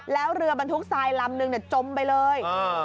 แล้วเรือบรรทุกทรายลำนึงจมไปเลย